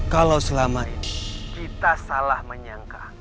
kalau selama ini kita salah menyangka